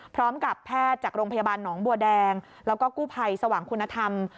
พร้อมกับแพทย์จากโรงพยาบาลหนองบัวแดงแล้วก็กู้ภัยสว่างคุณธรรม